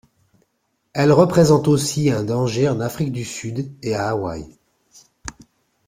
Elle représente aussi un danger en Afrique du Sud et à Hawaï.